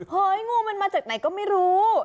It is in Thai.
งูมันมาจากไหนก็ไม่รู้